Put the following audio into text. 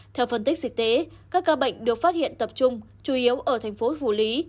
theo phân tích dịch tế các ca bệnh được phát hiện tập trung chủ yếu ở thành phố phủ lý